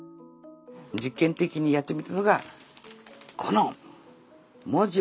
実験的にやってみたのがこの文字を見て下さい！